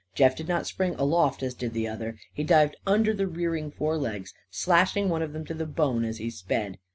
Jeff did not spring aloft, as did the other. He dived under the rearing forelegs, slashing one of them to the bone as he sped.